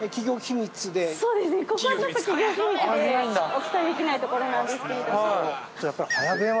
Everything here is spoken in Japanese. お伝えできないところなんですけれども。